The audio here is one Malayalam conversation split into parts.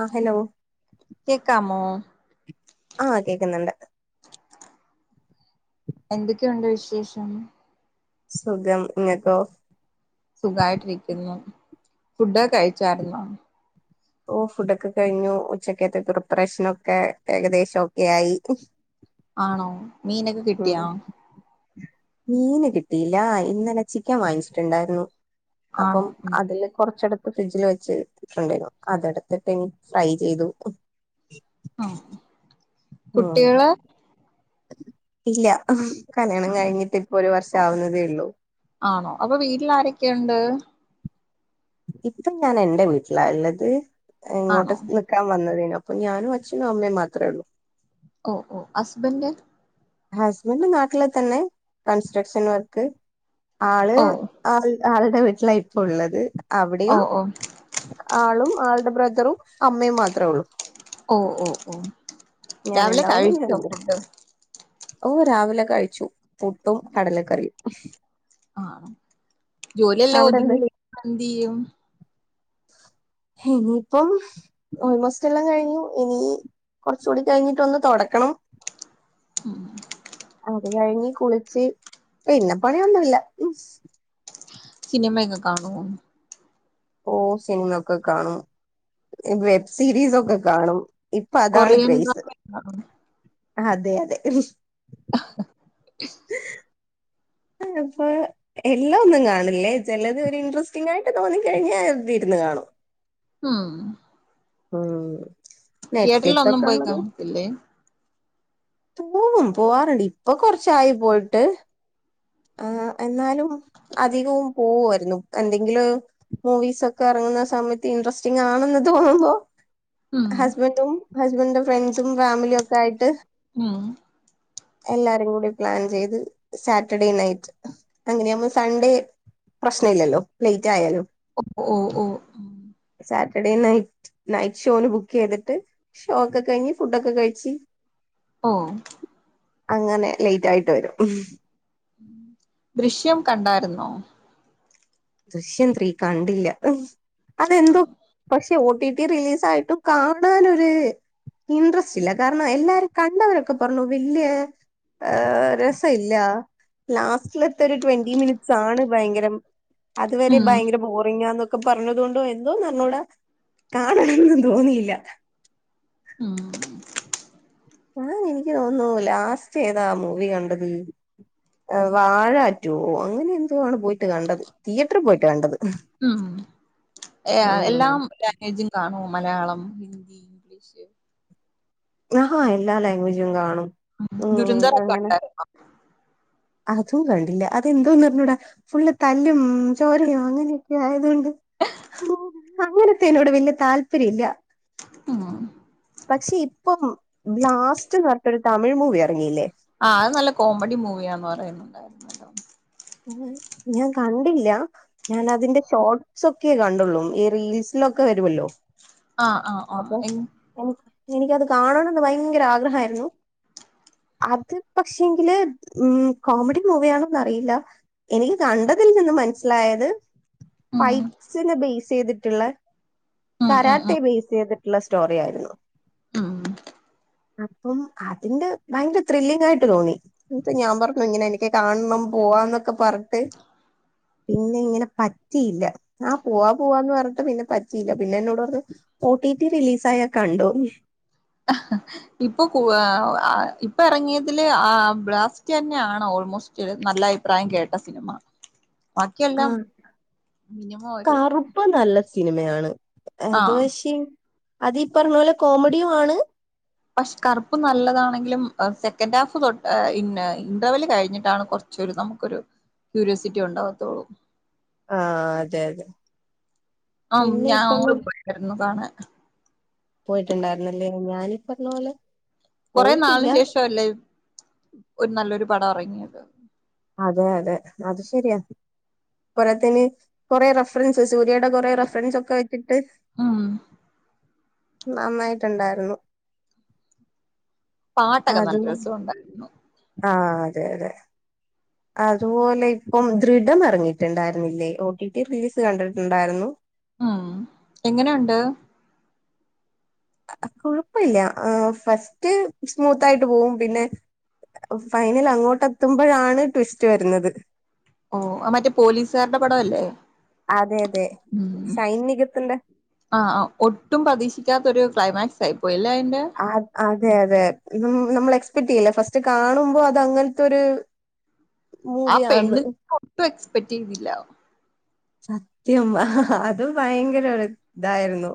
ആഹ് ഹലോ. കേക്കാമോ. ആഹ് കേക്കുന്നുണ്ട്. എന്തൊക്കെയുണ്ട് വിശേഷം. സുഖം ങ്ങക്കോ. സുഖായിട്ടിരിക്കുന്നു ഫുഡ്ഡൊക്കെകഴിച്ചാര് ന്നോ ഓഹ് ഫുഡൊക്കെ കഴ്ഞ്ഞു ഉച്ചക്കത്തെ പ്രിപ്പറേഷനൊക്കെ ഏകദേശ ഒക്കെയായി ആണോ മീനൊക്കെ ഉ കിട്ടിയാ മീന് കിട്ടിയില്ല ഇന്നല ചിക്കൻ വാങ്ങിച്ച്‌ട്ടുണ്ടാര്ന്നു അപ്പം ആണോ ഉം അതില് കൊറച്ചെട് ത് ഫ്രിഡ്ജ്ല് വെച്ച്ട്ട്ണ്ടേന്നു അതെട്ത്ത്‌ട്ട്ങ് ഫ്രൈ ചെയ്തു ആഹ് ഉം കുട്ടികള് ഇല്ല, കല്യാണം കയ്ഞ്ഞ്ട്ടിപ്പൊര് വർഷാവ്ന്നതേയിള്ളൂ ആണോ അപ്പൊ വീട്ട്ലാരെക്കെയുണ്ട് ഇപ്പം ഞാനെന്റ വീട്ട്ലാ ഇള്ളത് ആണോ ഇങ്ങോട്ട് നിക് - ക്കാൻ വന്നതേനു അപ്പം ഞാനു അച്ഛനും അമ്മേം മാത്രേ ഒള്ളൂ. ഓഹ് ഓഹ് ഹസ്ബൻഡ് ഹസ്ബൻഡ് നാട്ട്ല് തന്നെ കൺസ്ട്രക്ഷൻ വർക്ക് ആള് ഓ ആൾ ആൾടെ വീട്ട്ലാ ഇപ്പൊ ഉള്ളത് ഓ അവ്ടെയും ഓ ആളും ആൾട ബ്രദറും അമ്മയും മാത്രെ ഉള്ളൂ. ഓഹ് ഓ ഓ രാവിലെ കഴി‌ച്ചൊ ഫുഡ്ഡ് ഓഹ് രാവിലെ കഴിച്ചു പുട്ടും കടലക്കറിയും. ആണ് ജോലിയെല്ലാ അവിടെന്ത് ഒത്ങ്ങിലെ ഇപ്പെന്തിയ്യും ഹിനീപ്പം ഓൾമോസ്റ്റ് എല്ലാം കഴ്‌ഞ്ഞു ഇനീ കൊറച്ചൂടി കഴിഞ്ഞിട്ടൊന്ന് തൊടക്കണം ഉം അത് കഴിഞ്ഞി കുളിച്ച് പിന്ന പണിയൊന്നുല്ല. സിനിമെയൊക്ക കാണ് വോ? ഓഹ് സിനിമയൊക്ക കാണും ഇ വെബ് സീരീസൊക്ക കാണും ഇപ്പതാണ് കൊറിയൻ ക്രെയ്സ് ഡ്രാമയൊക്കെ കാണുവോ അതെ അതെ അ ഹ പിന്ന പോയെ എല്ലാ ഒന്നും കാണ്ല്ലേ ചെലത് ഒര് ഇൻട്രസ്റ്റിംങ്ങായ്ട്ട് തോന്നിക്കഴിഞ്ഞാ എൽദിര്ന്ന് കാണും ആഹ് ഉം റ്റിയേട്രിൽ നെറ്റ്ഫ്ലിക്സ് ഒന്നും ഒക്കെ പോയ് ഉള്ളത് കാണത്തില്ലേ ത്തു പോകും പോവാറ്ണ്ട് ഇപ്പൊ കൊറച്ചായി പോയിട്ട് ആഹ് എന്നാലും അധികവും പോവ്വാര്ന്നു എന്തെങ്കില് ഇപ്പോ മൂവീസൊക്ക എറങ്ങുന്ന സമയത്ത് ഇൻട്രസ്റ്റിങ് ആണെന്ന് തോന്നുമ്പോ ഉം ഹസ്ബന്റും ഹസ്ബന്റിൻ്റെ ഫ്രണ്ട്സും ഫാമിലി ഒക്ക ആയിട്ട് ഉം എല്ലാരും കുടി പ്ലാൻ ചെയ്ത് സാ റ്റർഡേ നൈറ്റ് അങ്ങനെയാമ്പോ സൺഡേ പ്രശ്ന ഇല്ലല്ലോ ലെയ്റ്റായാലും. ഓപ്പൊ ഒഹ് ഓഹ് സാറ്റർഡേ നൈറ്റ് നൈറ്റ് ഷോന് ബുക്ക് ചെയ്തിട്ട് ഷോ ഒക്ക കയ്ഞ്ഞ് ഫുഡൊക്ക കയ്ച്ചി ഓഹ് അങ്ങനെ ലെയ്റ്റായിട്ട് വരും ദൃശ്യം കണ്ടാര്ന്നോ ദൃശ്യം ത്രീ കണ്ടില്ല. അതെന്തോ പക്ഷേ ഓ ടി ടി റിലീസായിട്ടും കാണാനൊര് ഇൻട്രസ്റ്റില്ല കാരണം എല്ലാരും കണ്ടവരൊക്ക പറഞ്ഞു വല്ല്യേ രസ ഇല്ല ലാസ്റ്റിലത്തൊരു ട്വന്റി മിനിറ്റ്സാണ് ഭയങ്കരം അത് വെരെ ഉം ഭയങ്കര ബോറിങ്ങാന്നൊക്ക പറഞ്ഞത് കൊണ്ടോ എന്തോന്നറിഞ്ഞൂട കാണണംന്നും തോന്നിയില്ല ഉം ഞാൻ എനിക്ക് തോന്നു ലാസ്റ്റ് ഏതാ മൂവി കണ്ടത് വാഴാ റ്റൂവോ അങ്ങനെന്തോ ആണ് പോയിട്ട് കണ്ടത് തിയേട്രി പോയിട്ട് കണ്ടത് എഹ് എല്ലാ ഉം ലാംഗ്വേജും കാണൂ മലയാളം ഹിന്ദി ഇംഗ്ലീഷ് ആഹാ എല്ലാ ലാംഗ്വേജും കാണും ഉം ദുരന്തർ കണ്ടാരുന്നോ അതും കണ്ടില്ല അതെന്തോന്ന് അറി ഞ്ഞൂടാ ഫുള്ള് തല്ലും ചോരയും അങ്ങനെയൊക്കെ ആയതുകൊണ്ട് അങ്ങനതേനോട് വല്യയ താല്പര്യം ഇല്ല ആഹ് പക്ഷെ ഇപ്പം ബ്ലാസ്റ്റ്ന്ന് പറഞ്ഞിട്ടൊരു തമിഴ് മൂവി ഇറങ്ങില്ലേ ആഹ് അത് നല്ല കോമഡി മൂവിയാന്ന് പറയുന്നുണ്ടായിരുന്നു ഞാൻ കണ്ടില്ല ഞാൻ അതിന്റെ ഷോട്സ് ഒക്കെ കണ്ടുള്ളൂ ഈ റീൽസിലൊക്കെ വരുമല്ലോ ആഹ് ആഹ് ഒഹ് എഹ് എനിക്ക് എനിക്കത് കാണണംന്ന് ഭയങ്കര ആഗ്രഹായിരുന്നു അത് പക്ഷെ എങ്കില് ഉം കോമഡി മൂവി ആണ് പറയില്ല എനിക്ക് കണ്ടതിൽ നിന്ന് മനസ്സിലായത് ഉം പൈറ്റ്സിനെ ബേസ് ചെയ്തിട്ടുള്ള ഉം ഉം കരാട്ടെ ഉം ബേസ് ചെയ്തിട്ടുള്ള സ്റ്റോറി ആയിരുന്നു ഉം അപ്പം അതിന്റെ ഭയങ്കര ത്രില്ലിങ് ആയിട്ട് തോന്നി ഇന്ന്ട്ട് ഞാൻ പറഞ്ഞു ഇങ്ങനെ എനിക്ക് കാണണം പോവാന്നൊക്കെ പറഞ്ഞിട്ട് പിന്നെ ഇങ്ങനെ പറ്റിയില്ല ആഹ് പോവാ പോവാന്ന് പറഞ്ഞിട്ട് പിന്നെ പറ്റിയില്ല പിന്നെ എന്നോട് പറഞ്ഞ ഒ ടി ടി റിലീസായാ കണ്ടോ ആഹ ഇപ്പൊ ഇപ്പൊ ഇറങ്ങിയതില് ആ ബ്ലാസ്റ്റ് തന്നെയാണ് ഓൾമോസ്റ്റ് നല്ല അയ്പ്രായം കേട്ട സിനിമ ആഹ ബാക്കിയെല്ലാം മിനിമം ഒരു കറുപ്പ് നല്ല സിനിമയാണ് അത് ആഹ് പക്ഷേ അത്ീ പറഞ്ഞ പോലെ കോമഡിയും ആണ് [inaudible] പക്ഷെ കറുപ്പ് നല്ലതാണെങ്കിലും സെക്കൻഡ് ഹാഫ് തൊ ഇന്റർവൽ കഴിഞ്ഞിട്ടാണ് കുറച്ച് ച്ച് നമുക്കൊരു ക്യൂരിോസിറ്റി ഉണ്ടാകത്തുള്ളൂ ആഹ അതെ അതെ ആ പിന്നെ ഞാൻ ഇപ്പന്ന് അങ്ങടെ പോയിായിരുന്നു കാണൻ പോയിട്ടുണ്ടായിരുന്നല്ലേ ഞാാന് കൊറെ നാളിന് ശേഷം അല്ലേ ഒരു നല്ലൊരു പടം ഇറങ്ങിയത് അതെ അതെ അത് ശരിയാ പോരാത്തിന് കുറേ റഫറൻസ് സൂര്യയുടെ കുറേ റഫറൻസ് ഒക്കെ വെച്ചിട്ട് ഉം നന്നായിട്ടുണ്ടായിരുന്നു പാട്ടൊകെ നല്ല രസം ഉണ്ടായിരുന്നു ആഹ അതെ അതെ [inaudible] അതുപോലെ ഇപ്പം ദൃഢം ഇറങ്ങിയിട്ടുണ്ടായിരുന്നില്ലേ ഓ ടി ടി റിലീസ് കണ്ടിട്ടുണ്ടായിരുന്നു ഉം എങ്ങനെയുണ്ട് കൊഴപ്പില്ല ഫസ്റ്റ് സ്മൂത്ത് ആയിട്ട് പോവും പിന്നെ ഫൈനൽ അങ്ങോട്ടെത്തുമ്പോഴാണ് ട്വിസ്റ്റ് വരുന്നത് ഓ അ മറ്റേ പോലീസുകാരുടെ പടവല്ലേ അതെ അതെ ശൈനികത്തിന്റെ ആഹ ഒട്ടും പ്രതീക്ഷിക്കാത്തൊരു ക്ലൈമാക്സ് ആയിപ്പോയില്ലേ അതിൻറെ ആഹ അതെ അതെ നമ്മൾ എക്സ്പെക്ട് ചെയ്ല്ല ഫസ്റ്റ് കാണുമ്പോ അത് അങ്ങനത്തെൊരു ആ പെണ്ണ്ന് ഒട്ടും എക്സ്പെക്ട് ചെയ്തില്ല സത്യം അത് ഭയങ്കര ഇതായിരുന്നു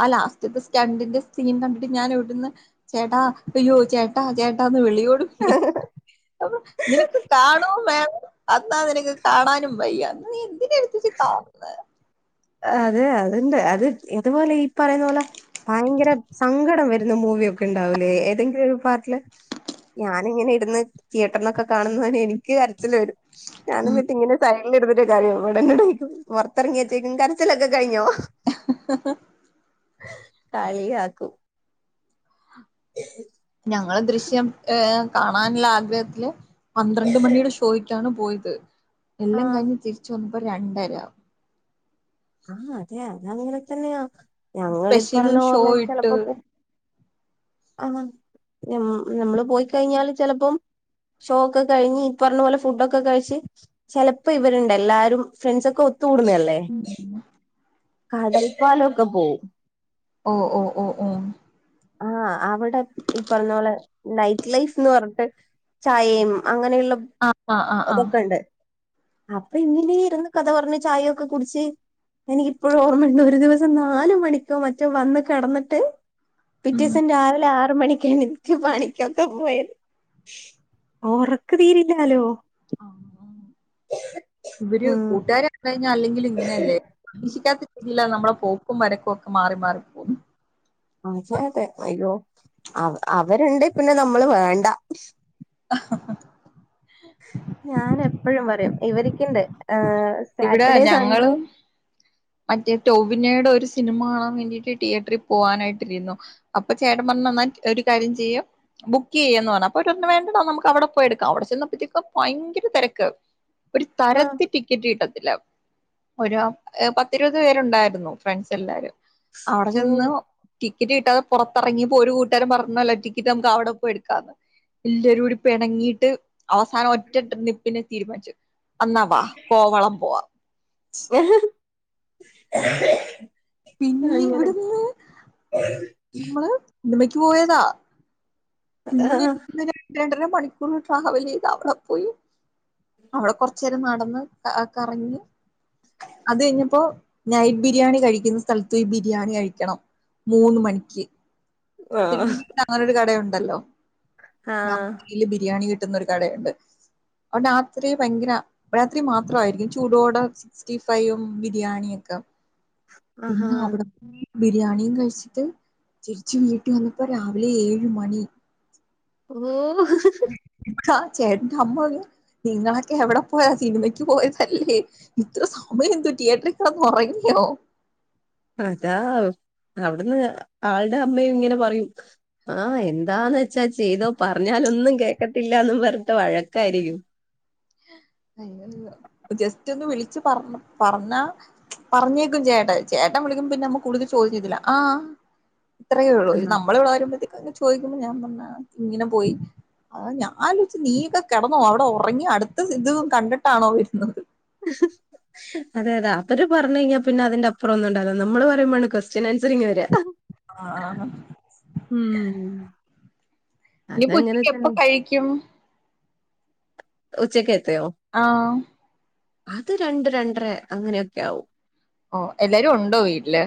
ആ ലാസ്റ്റത്തെ സ്റ്റണ്ടിന്റെ സീൻ കണ്ടിട്ട് ഞാൻ ഇവിടുന്ന് ചേട്ടാ അയ്യോ ചേട്ടാ ചേട്ടാ ന്ന് വിളിയോട് വിളി അപ്പൊ നിനക്ക് കാണോം വേണം അന്നാ നിനക്ക് കാണാനും വയ്യ അന്ന് എന്തിന എടുത്തച്ച് കാണുന്നത് അതെ അത്ണ്ട് അത് ഇതുപോലെ ഈ പറയുന്ന പോലെ ഭയങ്കര സങ്കടം വരുന്ന മൂവിയൊക്കെ ഉണ്ടാവൂലേ ഏതെങ്കിലും ഒരു പാർട്ടില് ഞാന ഇങ്ങനെ ഇടുന്ന് തിയേറ്ററിനൊക്കെ കാണുന്നന്നെനി ക്ക് കരച്ചൽ വരും ഞാന് ഉം ന്നിട്ട് ഇങ്ങനെ സൈടിൽ ഇടുന്നട്ട് കരയും ഇവിടെന്നോടയ്ക്കും പൊറത്തിറങ്ങിയച്ചേക്കും കരച്ചിലൊക്കെ കഴിഞ്ഞോ [unintelligible] കാളിയാക്കും [inaudible] ഞങ്ങള് ദൃശ്യം ഏഹ കാണാനുള്ള ആഗ്രഹത്തില് പന്ത്രണ്ട് മണിയുടെ ഷൂ പോയിട്ടാണ് പോയത് ആ എല്ലാം കഴിഞ്ഞ് തിരിച്ച് വന്നപ്പോ രണ്ടര ആഹ് അതെ അതങ്ങനെ തന്നെയാ ഞങ്ങളീ സ്പെഷ്യൽ പറഞ്ഞ ഷോ പോലെ ഇട്ട് ആ നമ്മള് പോയി കഴിഞ്ഞാല് ചിലപ്പം ഷോ ഒക്കെ കഴിഞ് ഇപ്പറഞ്ഞ പോലെ ഫുഡൊക്കെ കഴിച്ച് ചിലപ്പോ ഇവരുണ്ട് എല്ലാരും ഫ്രണ്ട്സ ഒക്കെ ഒത്തുകൂടുന്നല്ലേ കടൽപ്പാലൊക്കെ പോവും ഓ ഓ ഓ ഒ ഓ ആഹ് അവടെ ഈ പറഞ്ഞ പോലെ നൈറ്റ് ലൈഫ്ന്ന് പർഞ്ട്ട് ചായേം അങ്ങനെള്ള ആഹ് ആഹ് ആഹ് ആഹ് തൊക്കെണ്ട് അപ്പൊ ഇങ്ങനേ ഇരുന്ന് കഥ പറഞ് ചായയൊക്കെ കുടിച്ച് എനിക്കിപ്പഴും ഓർമ്മണ്ട് ഒരു ദിവസം നാല് മണിക്കോ മറ്റോ വന്ന് കെടന്ന്ട്ട് പിറ്റേസം രാവിലെ ആറ് മണിക്കെണീ റ്റ് പണിക്കൊക്കെ പോയത് ഒറക്ക് തീരെല്ലാലോ ഉം ഇവര് ഉം കൂട്ടുകാരെ കണ്ട് കഴിഞ്ഞാ അല്ലെങ്കിലും ഇങ്ങനല്ലേ പ്രതീക്ഷിക്കാത്ത ഇല്ല നമ്മളെ പോക്കും വരക്കും ഒക്കെ മാറി മാറി പോകുന്നു അതെ അതെ അയ്യോ അവ അവര്ണ്ടെ പിന്നെ നമ്മള് വേണ്ട ആ ഞാനെപ്പഴും പറയും ഇവരിക്ക്ണ്ട് എ ഇവിടെ സാറ്റർഡേ സൺഡേ ഞങ്ങളും മറ്റേ ടോവിനേടെ ഒരു സിനിമ കാണാൻ വേണ്ടിട്ട് ടിയേറ്ററി പോവാനായിട്ടിരുന്നു അപ്പൊ ചേട്ടൻ പറഞ്ഞു എന്നാൽ ഒരു കാര്യം ചെയ്യോ ബുക്ക് ചെയ്യ്ന്ന് പറഞ്ഞു അപ്പൊ വര് പറഞ്ഞു വേണ്ടടാ നമ്മക്ക് അവടെ പോയെടുക്കാ അവടെ ചെന്നപ്പഴത്തേക്കും ഭയങ്കര തെരക്ക് ഒരു ആഹ് തരത്തി ടിക്കറ്റ് കിട്ടത്തില്ല ഒരു പത്തിരുപത് പേരുണ്ടായിരുന്നു ഫ്രണ്ട്സെല്ലാരും അവടെ ഉം ചെന്ന് ടിക്കറ്റ് കിട്ടാതെ പൊറത്തെറങ്ങ്യപ്പൊ ഒരു കൂട്ടുകാരൻ പറഞ്ഞല്ലോ ടിക്കറ്റ് നമ്മക്ക് അവടെ പോയി എടുക്കാന്ന് എല്ലരൂടി പിണങ്ങിട്ട് അവസാനം ഒറ്റട്ട് നിപ്പിന് തീരുമാനിച്ചു അന്നാ വാ കോവളം പോവാ ഏ പിന്നെ ഇവിടുന്ന് നമ്മള് സിനിമക്ക് പോയതാ പിന്നെ ആഹ് ര രണ്ടര മണിക്കൂർ ട്രാവലെയ്ത് അവടെ പോയി അവടെ കൊർച്ചേരം നടന്ന് കറങ്ങി അത് കയ്ഞ്ഞപ്പോ നൈറ്റ് ബിരിയാണി കഴിക്കുന്ന സ്ഥലത്തോയ് ബിരിയാണി കഴിക്കണം മൂന്ന് മണിക്ക് ആഹ് [unintelligible] കടയുണ്ടല്ലോ ആഹ് ല് ബിരിയാണി കിട്ടുന്നൊരു കടയുണ്ട് [unintelligible] രാത്രി ഭയങ്കര രാത്രി മാത്രായിരിക്കും ചൂടോടെ സിക്സ്റ്റി ഫൈയും ബിരിയാണിയൊക്കെ ആഹാ പിന്നവ്ട്ന്ന് ബിരിയാണിയും കഴിച്ചിട്ട് തിരിച്ച് വീട്ട് വന്നപ്പോ രാവിലെ ഏഴ് മണി ഓ ആ ചേട്ടന്റെ അമ്മറയാ നിങ്ങളൊക്കെ എവടെ പോയ സിനിമക്ക് പോയതല്ലേ ഇത്ര സമയെന്തു പറ്റി ഏറ്ററി കെടന്ന് ഒറങ്യോ അതാ അവ്ട്ന്ന് ആൾടെ അമ്മയും ഇങ്ങനെ പറയും ആഹ് എന്താന്ന് വെച്ചാ ചെയ്തോ പറഞ്ഞാലൊന്നും കേക്കത്തില്ലാന്ന്‌ പർഞ്ട്ട് വഴക്കായിരിക്കും ജസ്റ്റൊന്ന് വിളിച്ച് പർ പർഞ്ഞ പറഞ്ഞയക്കും ചേട്ടൻ ചേട്ടൻ വിളിക്കുമ്പ പിന്നമ്മ കൂടുതല് ചോയ്ക്കത്തില്ല ആഹ് ഇത്രയേ ഉള്ളൂ ഒരു ആഹ് നമ്മളെ വടെ ആരും [unintelligible] ചോയ്ക്കുമ്പൊ ഞാൻ പർഞ്ഞു ആഹ് ഇങ്ങനെ പോയി അ ഞാൻ ആലോയ്ച്ച് നീയൊക്കെ കെടന്ന് അവടെ ഒറങ്യോ അട് ഇത് ഇത് കണ്ട്ട്ടാണോ വെര്ന്നത് ആ അതെ അതെ അവര് പർഞയ്ഞ്ഞാ പിന്നെ അതിന്റെ അപ്പറൊന്നുണ്ടാവൂല നമ്മള് പറയ്മ്പാണ് ക്വൊസ്റ്റ്യനാൻസറിങ് വെരാ ആ ഉം ഇനി അതങ്ങനെ തന്നെ [unintelligible] കഴിക്കും ഉച്ചെക്കത്തെയോ ആഹ് അത് രണ്ട് രണ്ടര അങ്ങനെയൊക്കാവും ഓഹ് എല്ലാരു ഉണ്ടോ വീട്ടില്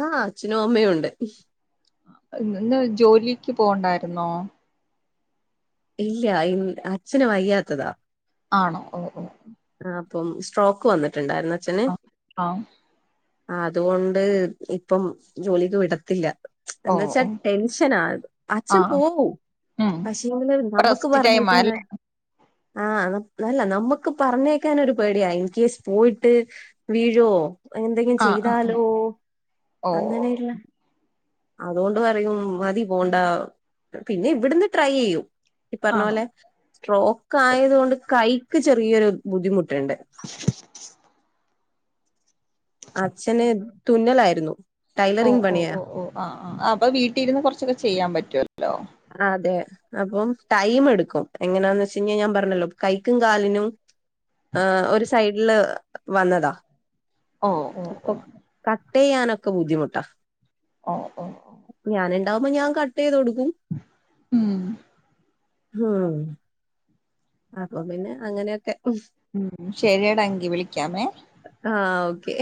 ആഹ് അച്ഛനും അമ്മയും ഉണ്ട് ഇന്ന് ജോലിക്ക് പോകണ്ടായിരുന്നോ ഇല്ല ഇ അച്ഛന് വയ്യാത്തതാ ആണോ ഓഹ് ഓഹ് ആഹ് അപ്പം സ്ട്രോക്ക് വന്നിട്ട്ണ്ടായിരുന്ന് അച്ഛന് ആ ആഹ് അത്കൊണ്ട് ഇപ്പം ജോലിക്ക് വിടത്തില്ല ഓ എന്ന് വെച്ചാ ഓ ടെൻഷനാ അച്ഛൻ ആഹ് പോവും ഉം പക്ഷെങ്കില് ഇപ്പ നമ്മുക്ക് റെസ്റ്റ് ടൈമാ പറഞ്ഞേക്കാന് അല്ലേ ആഹ് അല്ല നമ്മുക്ക് പറഞ്ഞേക്കാനൊര് പേടിയാ ഇൻ കേസ് പോയിട്ട് വീഴോ എന്തെങ്കിലും ആഹ് ആഹ് ആഹ് ചെയ്താലോ ഓ അങ്ങനെയുള്ള അതുകൊണ്ട് പറയും മതി പോണ്ടാ പിന്നെ ഇവിടന്ന് ട്രൈയെയ്യും ഈ പറഞ്ഞ ആണോ പോലെ സ്ട്രോക്ക് ആയത് കൊണ്ട് കൈക്ക് ചെറിയൊരു ബുദ്ധിമുട്ട്ണ്ട് ഓ അച്ഛന് തുന്നലായിരുന്നു ടൈലറിങ് ഓ പണിയാ ഓ ഓ ആഹ് ആഹ് അപ്പൊ വീട്ടിരുന്ന് കൊറച്ചൊക്കെ ചെയ്യാൻ പറ്റുവല്ലോ അതെ അപ്പം ടൈം എടുക്കും എങ്ങനാന്ന് വെച്ച് കഴിഞ്ഞാ ഞാൻ പറഞ്ഞല്ലോ കൈക്കും കാലിനും ആഹ് ഒരു സൈഡില് വന്നതാ ഓ ഓ അപ്പൊ ഓ കട്ട്യ്യാനൊക്കെ ബുദ്ധിമുട്ടാ ഓഹ് ഓഹ് ഞാന്ണ്ടാവുമ്പോ ഞാൻ കട്ടെയ്തൊട്ക്കും ഉം ഉം അപ്പൊ പിന്നെ അങ്ങനെയൊക്കെ ഉം ശരിയാ ടങ്കി വിളിക്കാമേ ആഹ് ഓക്കെ